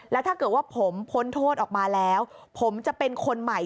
แล้วถ้าเกิดว่าผมพ้นโทษออกมาแล้วผมจะเป็นคนใหม่